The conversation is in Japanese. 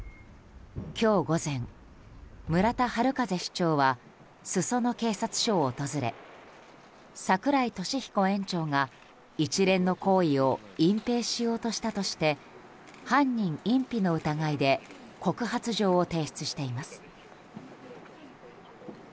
今日午前、村田悠市長は裾野警察署を訪れ櫻井利彦園長が一連の行為を隠ぺいしようとしたとして犯人隠避の疑いで告発状を提出しています。